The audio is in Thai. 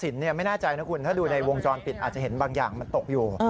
ถ้าดูในวงจรปิดอาจจะเห็นบางอย่างตกอยู่